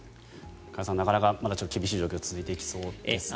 加谷さんなかなか厳しい状況が続いていきそうですね。